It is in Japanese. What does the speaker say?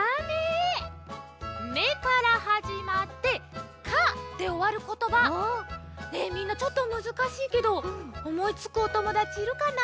「め」からはじまって「か」でおわることばねえみんなちょっとむずかしいけどおもいつくおともだちいるかな？